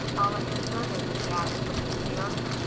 All at your service," he added, with a sneer.